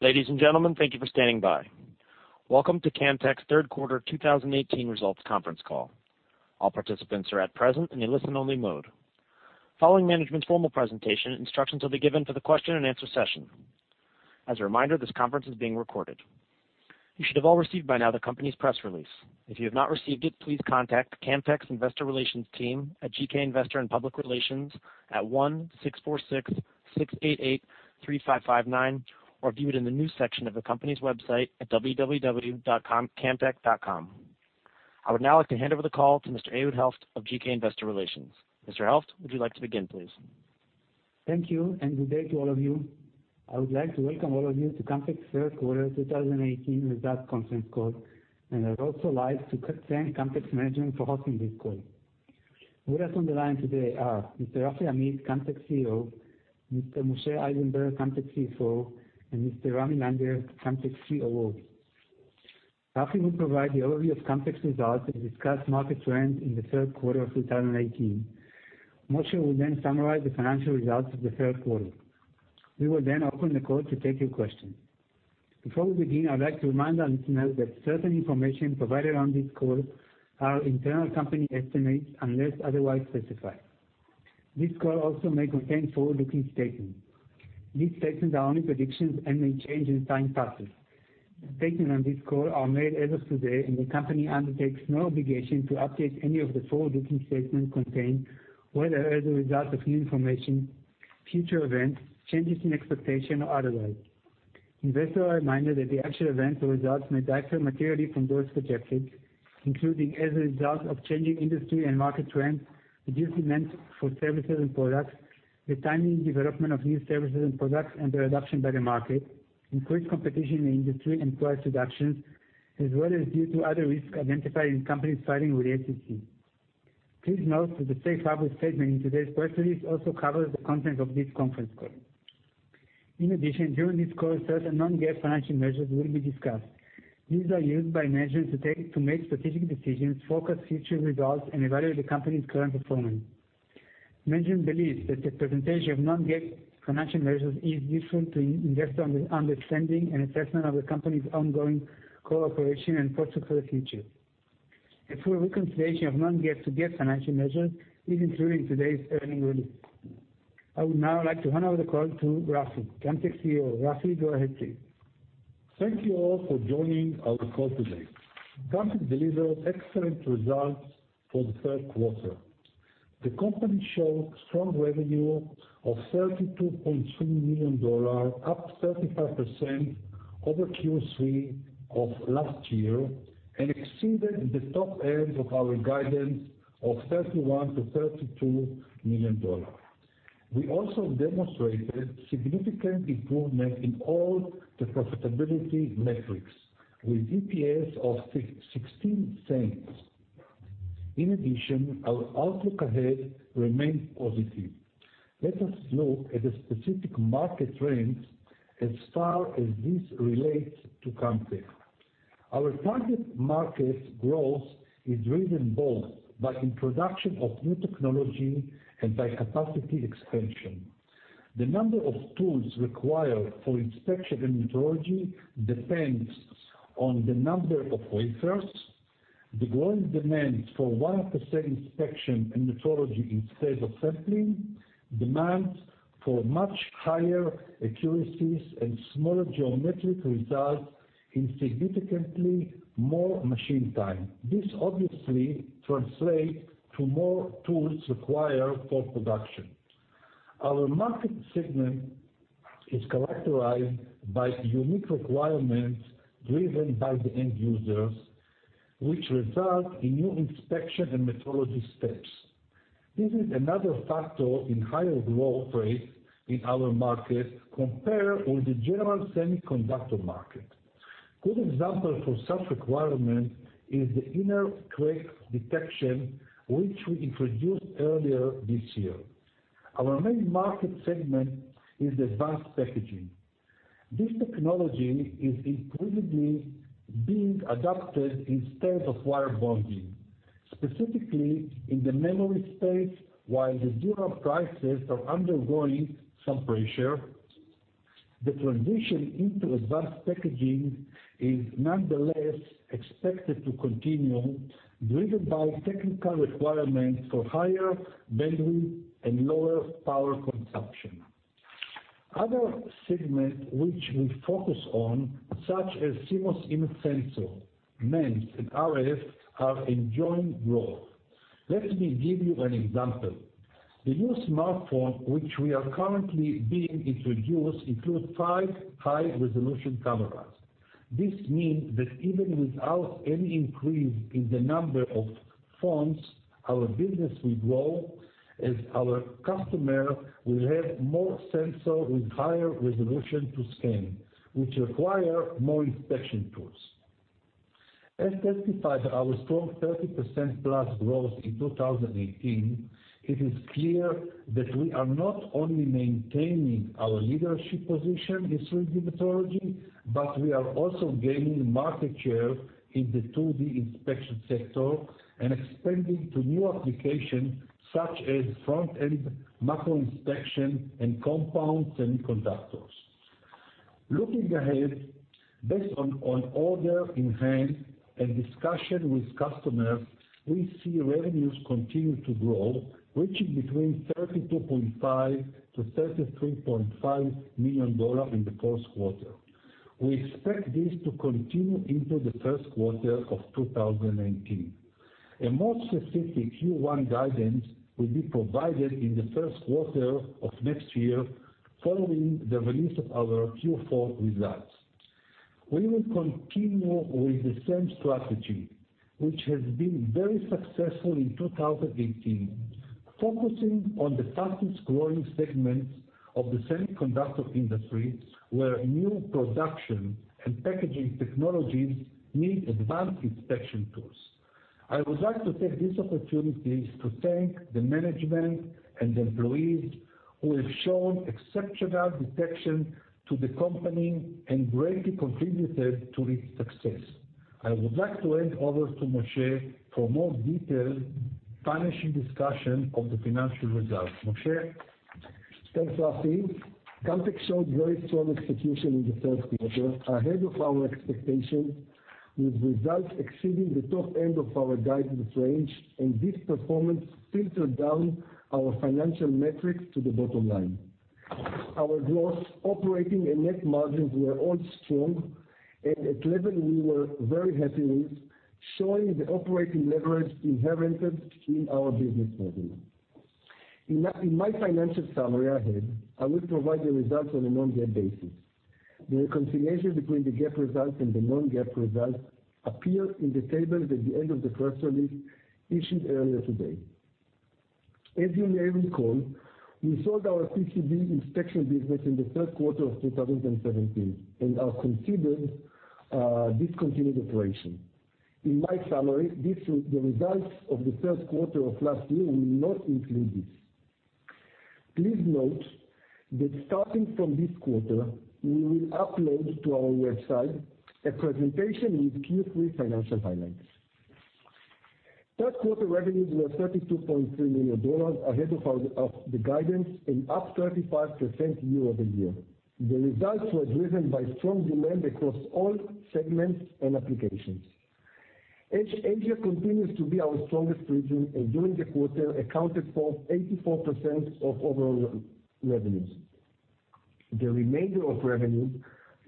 Ladies and gentlemen, thank you for standing by. Welcome to Camtek's third quarter 2018 results conference call. All participants are at present in a listen-only mode. Following management's formal presentation, instructions will be given for the question and answer session. As a reminder, this conference is being recorded. You should have all received by now the company's press release. If you have not received it, please contact Camtek's investor relations team at GK Investor & Public Relations at 1-646-688-3559, or view it in the news section of the company's website at www.camtek.com. I would now like to hand over the call to Mr. Ehud Helft of GK Investor Relations. Mr. Helft, would you like to begin, please? Thank you, and good day to all of you. I would like to welcome all of you to Camtek's third quarter 2018 results conference call, and I'd also like to thank Camtek's management for hosting this call. With us on the line today are Mr. Rafi Amit, Camtek's CEO, Mr. Moshe Eisenberg, Camtek's CFO, and Mr. Ramy Langer, Camtek's COO. Rafi will provide the overview of Camtek's results and discuss market trends in the third quarter of 2018. Moshe will then summarize the financial results of the third quarter. We will then open the call to take your questions. Before we begin, I'd like to remind our listeners that certain information provided on this call are internal company estimates, unless otherwise specified. This call also may contain forward-looking statements. These statements are only predictions and may change in time passes. The statements on this call are made as of today, and the company undertakes no obligation to update any of the forward-looking statements contained, whether as a result of new information, future events, changes in expectation, or otherwise. Investors are reminded that the actual events or results may differ materially from those projected, including as a result of changing industry and market trends, reduced demand for services and products, the timing and development of new services and products, and their adoption by the market, increased competition in the industry and price reductions, as well as due to other risks identified in the company's filing with the SEC. Please note that the safe harbor statement in today's press release also covers the content of this conference call. In addition, during this call, certain non-GAAP financial measures will be discussed. These are used by management to make strategic decisions, forecast future results, and evaluate the company's current performance. Management believes that the presentation of non-GAAP financial measures is useful to investor understanding and assessment of the company's ongoing core operation and prospects for the future. A full reconciliation of non-GAAP to GAAP financial measures is included in today's earnings release. I would now like to hand over the call to Rafi, Camtek's CEO. Rafi, go ahead, please. Thank you all for joining our call today. Camtek delivered excellent results for the third quarter. The company showed strong revenue of $32.2 million, up 35% over Q3 of last year, and exceeded the top end of our guidance of $31 million-$32 million. We also demonstrated significant improvement in all the profitability metrics, with EPS of $0.16. In addition, our outlook ahead remains positive. Let us look at the specific market trends as far as this relates to Camtek. Our target market growth is driven both by introduction of new technology and by capacity expansion. The number of tools required for inspection and metrology depends on the number of wafers. The growing demand for 100% inspection and metrology instead of sampling, demands for much higher accuracies and smaller geometric results in significantly more machine time. This obviously translates to more tools required for production. Our market segment is characterized by unique requirements driven by the end users, which result in new inspection and metrology steps. This is another factor in higher growth rates in our market compared with the general semiconductor market. Good example for such requirement is the Inner Crack Imaging, which we introduced earlier this year. Our main market segment is advanced packaging. This technology is increasingly being adapted instead of wire bonding, specifically in the memory space. While the general prices are undergoing some pressure, the transition into advanced packaging is nonetheless expected to continue, driven by technical requirements for higher bandwidth and lower power consumption. Other segments which we focus on, such as CMOS image sensor, MEMS and RF, are enjoying growth. Let me give you an example. The new smartphone which we are currently being introduced includes five high-resolution cameras. This means that even without any increase in the number of phones, our business will grow as our customer will have more sensor with higher resolution to scan, which require more inspection tools. As testified by our strong 30%+ growth in 2018, it is clear that we are not only maintaining our leadership position in 3D metrology, but we are also gaining market share in the 2D inspection sector and expanding to new applications such as front-end macro inspection and compound semiconductors. Looking ahead, based on order in hand and discussion with customers, we see revenues continue to grow, reaching between $32.5 million-$33.5 million in the fourth quarter. We expect this to continue into the first quarter of 2019. A more specific Q1 guidance will be provided in the first quarter of next year, following the release of our Q4 results. We will continue with the same strategy, which has been very successful in 2018, focusing on the fastest-growing segments of the semiconductor industry, where new production and packaging technologies need advanced inspection tools. I would like to take this opportunity to thank the management and the employees who have shown exceptional dedication to the company and greatly contributed to its success. I would like to hand over to Moshe for more detailed financial discussion of the financial results. Moshe? Thanks, Rafi. Camtek showed very strong execution in the third quarter, ahead of our expectations, with results exceeding the top end of our guidance range. This performance filtered down our financial metrics to the bottom line. Our gross operating and net margins were all strong and at level we were very happy with, showing the operating leverage inherent in our business model. In my financial summary ahead, I will provide the results on a non-GAAP basis. The reconciliation between the GAAP results and the non-GAAP results appear in the tables at the end of the press release issued earlier today. As you may recall, we sold our PCB inspection business in the third quarter of 2017 and are considered a discontinued operation. In my summary, the results of the third quarter of last year will not include this. Please note that starting from this quarter, we will upload to our website a presentation with Q3 financial highlights. Third quarter revenues were $32.3 million, ahead of the guidance and up 35% year-over-year. The results were driven by strong demand across all segments and applications. Asia continues to be our strongest region. During the quarter accounted for 84% of overall revenues. The remainder of revenues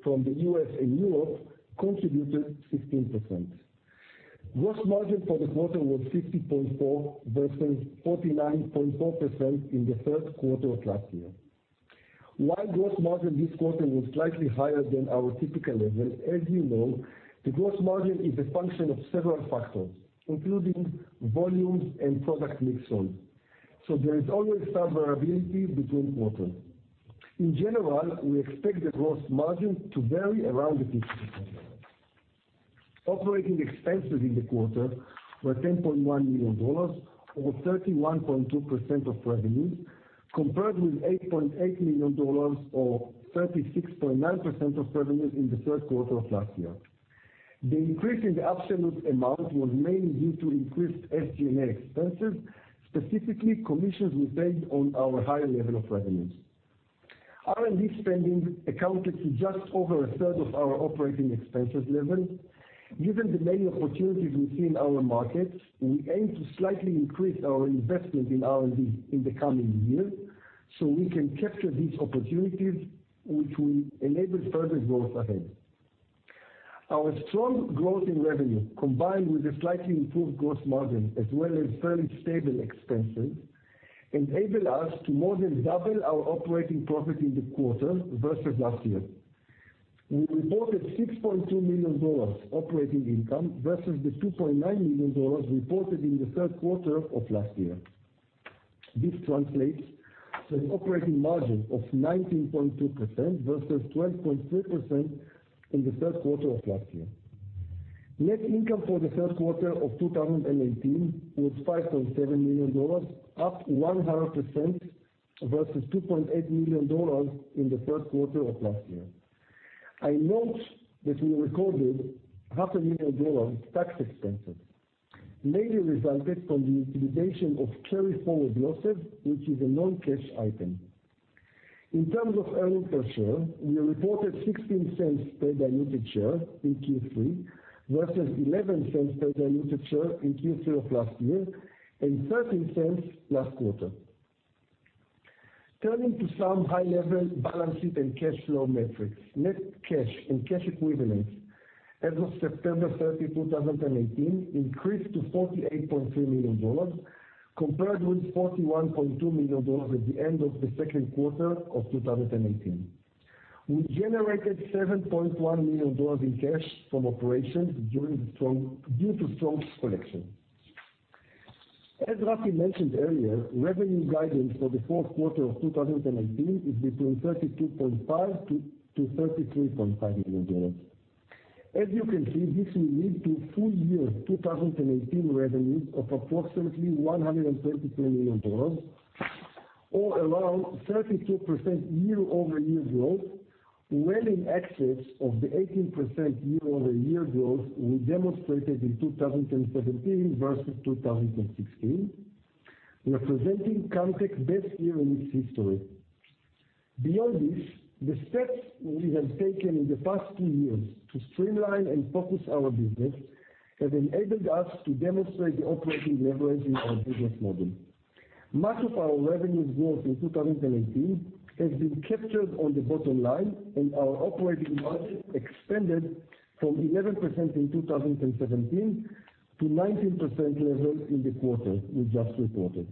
from the U.S. and Europe contributed 16%. Gross margin for the quarter was 50.4% versus 49.4% in the third quarter of last year. While gross margin this quarter was slightly higher than our typical level, as you know, the gross margin is a function of several factors, including volume and product mix sold. There is always some variability between quarters. In general, we expect the gross margin to vary around 50%. Operating expenses in the quarter were $10.1 million or 31.2% of revenue, compared with $8.8 million or 36.9% of revenue in the third quarter of last year. The increase in the absolute amount was mainly due to increased SG&A expenses, specifically commissions we paid on our higher level of revenues. R&D spending accounted for just over a third of our operating expenses level. Given the many opportunities we see in our market, we aim to slightly increase our investment in R&D in the coming year so we can capture these opportunities, which will enable further growth ahead. Our strong growth in revenue, combined with a slightly improved gross margin as well as fairly stable expenses, enable us to more than double our operating profit in the quarter versus last year. We reported $6.2 million operating income versus the $2.9 million reported in the third quarter of last year. This translates to an operating margin of 19.2% versus 12.3% in the third quarter of last year. Net income for the third quarter of 2018 was $5.7 million, up 100% versus $2.8 million in the third quarter of last year. I note that we recorded $500,000 tax expenses, mainly resulted from the utilization of carryforward losses, which is a non-cash item. In terms of earnings per share, we reported $0.16 per diluted share in Q3 versus $0.11 per diluted share in Q3 of last year and $0.13 last quarter. Turning to some high-level balance sheet and cash flow metrics. Net cash and cash equivalents as of September 30, 2018, increased to $48.3 million compared with $41.2 million at the end of the second quarter of 2018. We generated $7.1 million in cash from operations due to strong collection. As Rafi mentioned earlier, revenue guidance for the fourth quarter of 2018 is between $32.5 million-$33.5 million. As you can see, this will lead to full year 2018 revenues of approximately $132 million or around 32% year-over-year growth, well in excess of the 18% year-over-year growth we demonstrated in 2017 versus 2016. Representing Camtek's best year in its history. Beyond this, the steps we have taken in the past two years to streamline and focus our business have enabled us to demonstrate the operating leverage in our business model. Much of our revenue growth in 2018 has been captured on the bottom line, and our operating margin expanded from 11% in 2017 to 19% level in the quarter we just reported.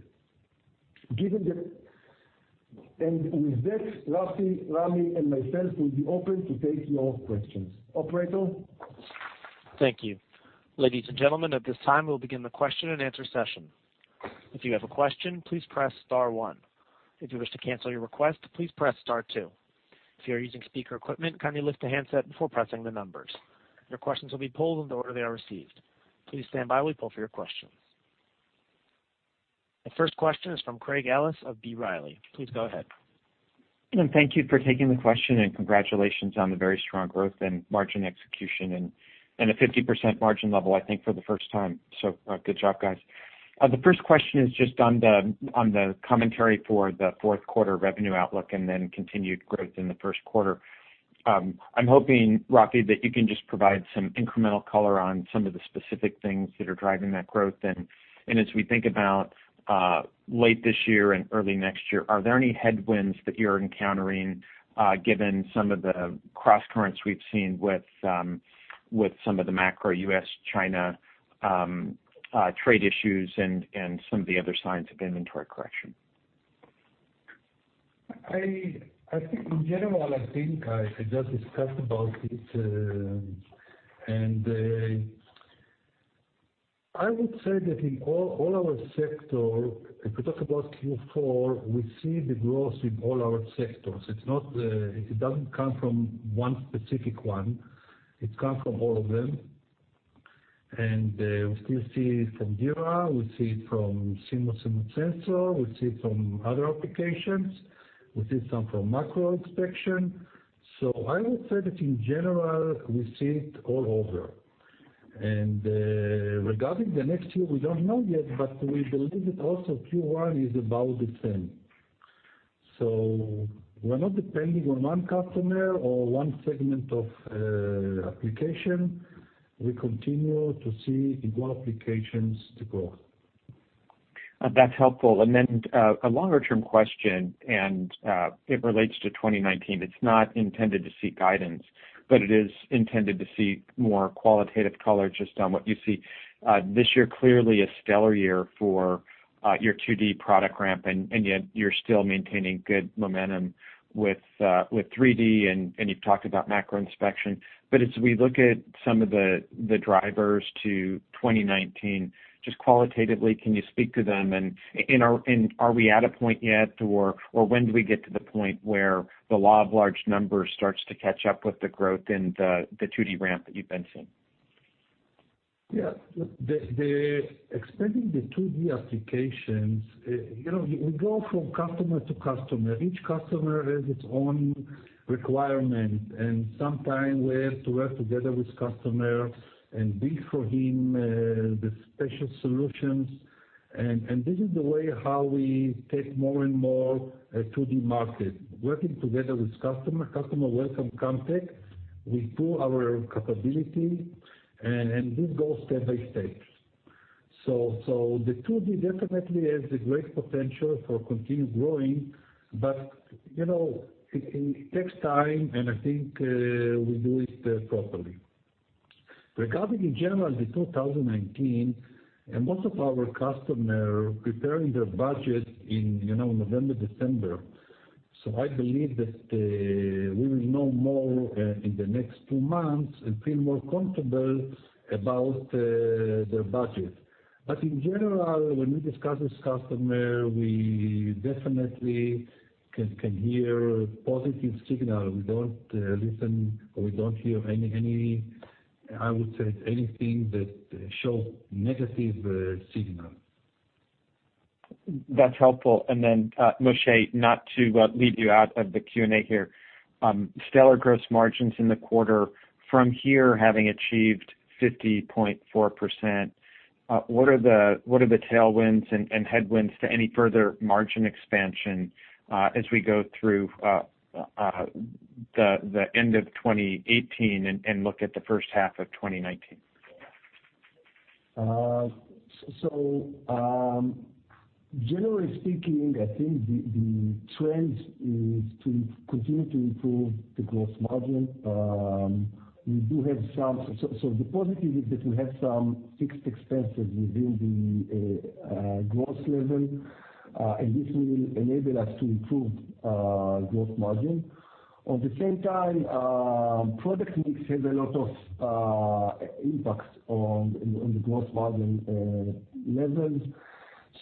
With that, Rafi, Ramy, and myself will be open to take your questions. Operator? Thank you. Ladies and gentlemen, at this time, we'll begin the question and answer session. If you have a question, please press star one. If you wish to cancel your request, please press star two. If you are using speaker equipment, kindly lift the handset before pressing the numbers. Your questions will be pulled in the order they are received. Please stand by while we pull for your questions. The first question is from Craig Ellis of B. Riley. Please go ahead. Thank you for taking the question, and congratulations on the very strong growth and margin execution, and a 50% margin level, I think for the first time. Good job, guys. The first question is just on the commentary for the fourth quarter revenue outlook and then continued growth in the first quarter. I'm hoping, Rafi, that you can just provide some incremental color on some of the specific things that are driving that growth. As we think about late this year and early next year, are there any headwinds that you're encountering, given some of the cross currents we've seen with some of the macro U.S., China trade issues and some of the other signs of inventory correction? I think in general, I think I just discussed about it. I would say that in all our sector, if we talk about Q4, we see the growth in all our sectors. It doesn't come from one specific one. It comes from all of them. We still see it from, we see it from CMOS image sensor, we see it from other applications. We see some from macro inspection. I would say that in general, we see it all over. Regarding the next year, we don't know yet, but we believe that also Q1 is about the same. We're not depending on one customer or one segment of application. We continue to see equal applications to grow. That's helpful. A longer-term question, it relates to 2019. It's not intended to seek guidance, but it is intended to seek more qualitative color just on what you see. This year, clearly a stellar year for your 2D product ramp, and yet you're still maintaining good momentum with 3D, and you've talked about macro inspection. As we look at some of the drivers to 2019, just qualitatively, can you speak to them, and are we at a point yet, or when do we get to the point where the law of large numbers starts to catch up with the growth in the 2D ramp that you've been seeing? Look, expanding the 2D applications, we go from customer to customer. Each customer has its own requirement, and sometime we have to work together with customer and build for him the special solutions. This is the way how we take more and more 2D market, working together with customer work from Camtek. We pull our capability, and this goes step by step. The 2D definitely has a great potential for continued growing, but it takes time, and I think we do it properly. Regarding in general the 2019, most of our customer preparing their budget in November, December. I believe that we will know more in the next two months and feel more comfortable about their budget. In general, when we discuss with customer, we definitely can hear positive signal. We don't listen or we don't hear, I would say anything that shows negative signal. That's helpful. Moshe, not to leave you out of the Q&A here. Stellar gross margins in the quarter. From here, having achieved 50.4%, what are the tailwinds and headwinds to any further margin expansion as we go through the end of 2018 and look at the first half of 2019? Generally speaking, I think the trend is to continue to improve the gross margin. The positive is that we have some fixed expenses within the gross level, and this will enable us to improve gross margin. On the same time, product mix has a lot of impacts on the gross margin levels.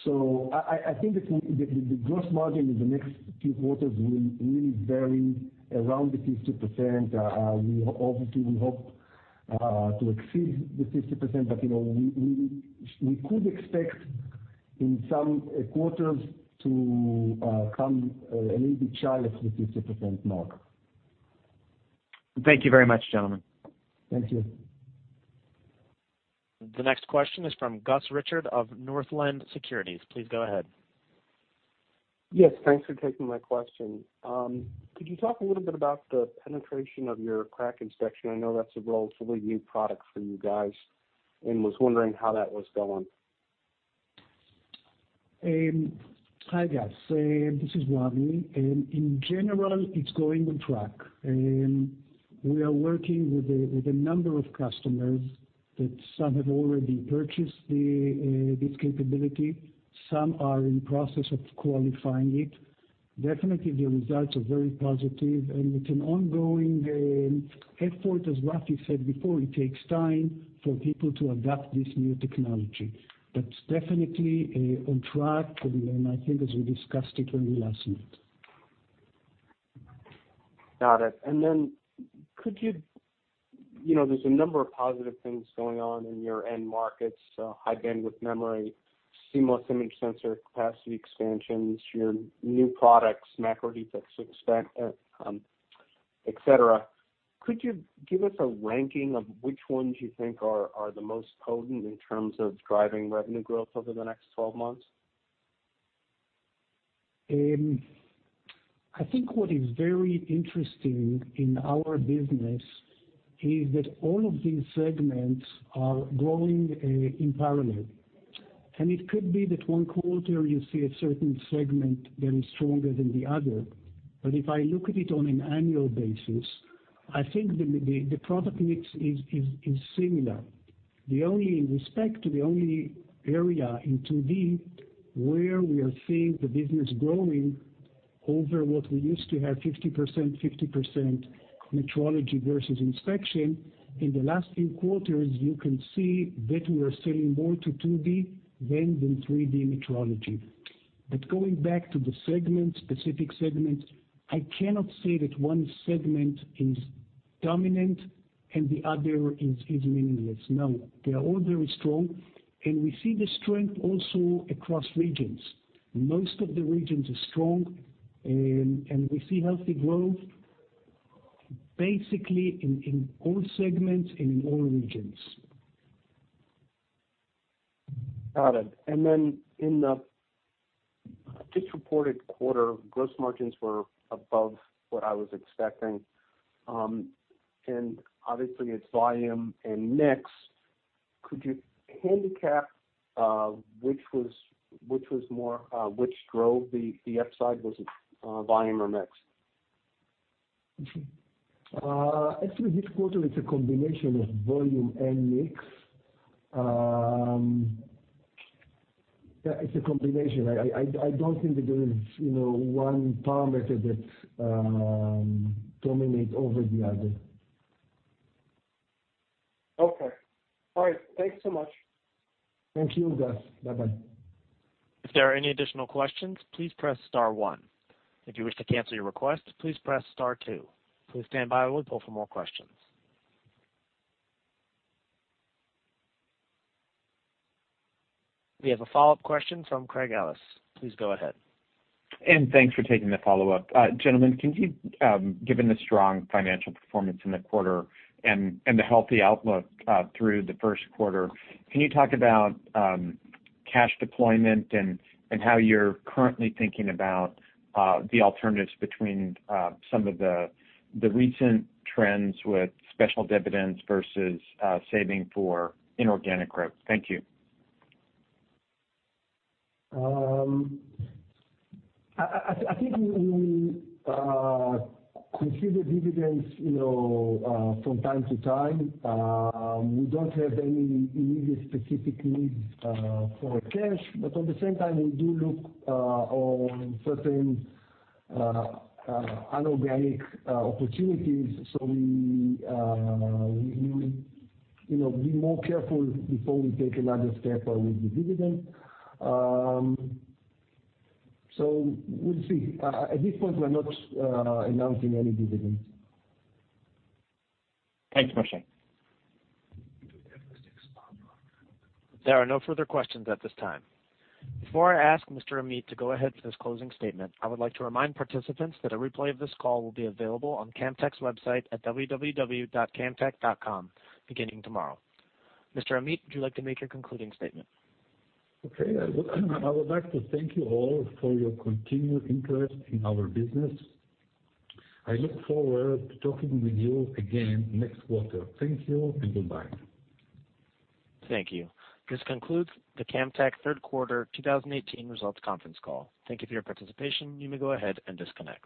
I think the gross margin in the next few quarters will vary around the 50%. Obviously, we hope to exceed the 50%, but we could expect in some quarters to come and maybe challenge the 50% mark. Thank you very much, gentlemen. Thank you. The next question is from Gus Richard of Northland Securities. Please go ahead. Yes, thanks for taking my question. Could you talk a little bit about the penetration of your crack detection? I was wondering how that was going. Hi, Gus. This is Ramy. In general, it's going on track. We are working with a number of customers that some have already purchased this capability, some are in process of qualifying it. Definitely, the results are very positive, and it's an ongoing effort, as Rafi said before, it takes time for people to adapt this new technology. It's definitely on track, and I think as we discussed it with you last meet. Got it. There's a number of positive things going on in your end markets, High Bandwidth Memory, CMOS image sensor capacity expansions, your new products, macro defects, et cetera. Could you give us a ranking of which ones you think are the most potent in terms of driving revenue growth over the next 12 months? I think what is very interesting in our business is that all of these segments are growing in parallel. It could be that one quarter you see a certain segment that is stronger than the other. If I look at it on an annual basis, I think the product mix is similar. In respect to the only area in 2D where we are seeing the business growing over what we used to have 50%-50% metrology versus inspection. In the last few quarters, you can see that we are selling more to 2D than the 3D metrology. Going back to the segment, specific segment, I cannot say that one segment is dominant and the other is meaningless. No, they are all very strong. We see the strength also across regions. Most of the regions are strong. We see healthy growth basically in all segments and in all regions. Got it. In the just-reported quarter, gross margins were above what I was expecting. Obviously it's volume and mix. Could you handicap which drove the upside? Was it volume or mix? Actually, this quarter it's a combination of volume and mix. It's a combination. I don't think that there is one parameter that dominates over the other. Okay. All right. Thanks so much. Thank you, Gus. Bye-bye. If there are any additional questions, please press star one. If you wish to cancel your request, please press star two. Please stand by while we pull for more questions. We have a follow-up question from Craig Ellis. Please go ahead. Thanks for taking the follow-up. Gentlemen, given the strong financial performance in the quarter and the healthy outlook through the first quarter, can you talk about cash deployment and how you're currently thinking about the alternatives between some of the recent trends with special dividends versus saving for inorganic growth? Thank you. I think we will consider dividends from time to time. We don't have any immediate specific needs for cash. On the same time, we do look on certain inorganic opportunities. We will be more careful before we take another step with the dividend. We'll see. At this point, we're not announcing any dividends. Thanks, Moshe. There are no further questions at this time. Before I ask Mr. Amit to go ahead for his closing statement, I would like to remind participants that a replay of this call will be available on Camtek's website at www.camtek.com beginning tomorrow. Mr. Amit, would you like to make your concluding statement? Okay. I would like to thank you all for your continued interest in our business. I look forward to talking with you again next quarter. Thank you, and goodbye. Thank you. This concludes the Camtek third quarter 2018 results conference call. Thank you for your participation. You may go ahead and disconnect.